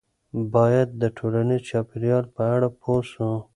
باید د ټولنیز چاپیریال په اړه پوه سو.